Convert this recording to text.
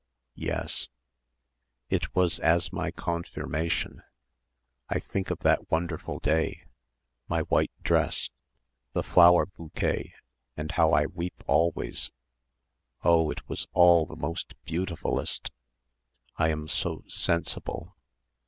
"Yes." "It was as my Konfirmation. I think of that wonderful day, my white dress, the flower bouquet and how I weeped always. Oh, it was all of most beautifullest. I am so sensible."